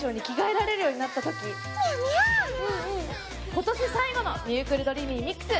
今年最後の『ミュークルドリーミーみっくす！』